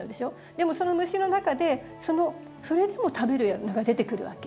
でもその虫の中でそれでも食べるのが出てくるわけ。